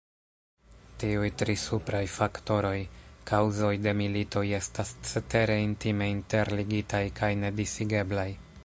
Tiuj tri supraj faktoroj, kaŭzoj de militoj estas cetere intime interligitaj kaj nedisigeblaj.